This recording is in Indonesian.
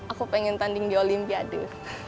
aku pengen tanding di olimpiade